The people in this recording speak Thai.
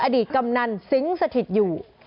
อดีตกำนันสิงสถิตย์อยู่